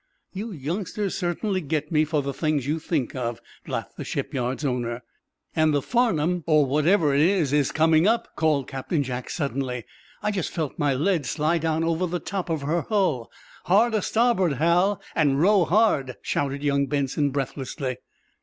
"You youngsters certainly get me, for the things you think of," laughed the shipyard's owner. "And the 'Farnum,' or whatever it is, is coming up," called Captain Jack, suddenly. "I just felt my lead slide down over the top of her hull. Hard a starboard, Hal, and row hard," shouted young Benson, breathlessly.